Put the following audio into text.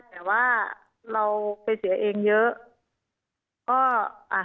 แต่ว่าเราไปเสียเองเยอะ